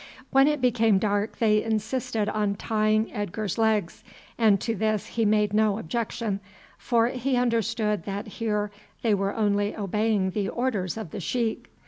When it became dark they insisted on tying Edgar's legs, and to this he made no objection, for he understood that here they were only obeying the orders of the sheik.